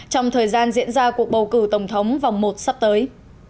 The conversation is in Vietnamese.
trong thời gian diễn ra cuộc bầu cử tổng thống vòng một sắp tới